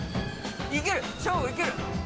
いけるショーゴいける。